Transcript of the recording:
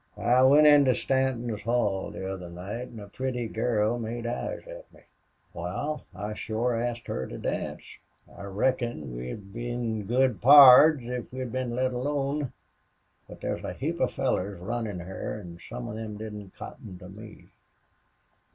"I went into Stanton's hall the other night, an' a pretty girl made eyes at me. Wal, I shore asked her to dance. I reckon we'd been good pards if we'd been let alone. But there's a heap of fellers runnin' her an' some of them didn't cotton to me.